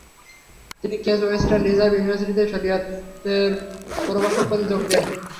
তিনি Case Western Reserve ইউনিভার্সিটিতে শারীরতত্ত্বের প্রভাষক পদে যোগ দেন।